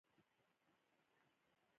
زه د انټرنیټ تفریح کاروم.